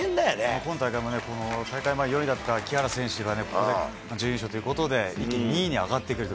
今大会でも、大会前、４位だった木原選手が、準優勝ということで、２位に上がってくると。